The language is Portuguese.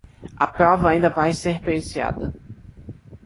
A prova ainda vai ser periciada.